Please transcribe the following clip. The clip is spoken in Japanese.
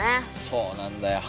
そうなんだよ。